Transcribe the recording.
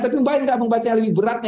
tapi mbak tidak membaca yang lebih beratnya